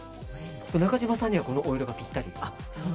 中島さんにはこのお色がぴったり。